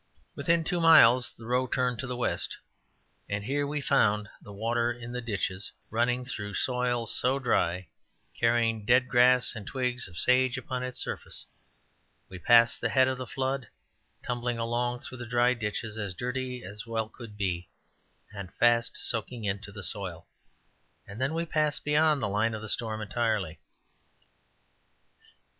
Within two miles the road turned to the West, and here we found the water in the ditches running through dry soil, carrying dead grass and twigs of sage upon its surface; we passed the head of the flood, tumbling along through the dry ditches as dirty as it well could be, and fast soaking into the soil; and then we passed beyond the line of the storm entirely.